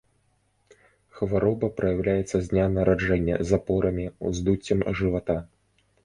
Хвароба праяўляецца з дня нараджэння запорамі, уздуццем жывата.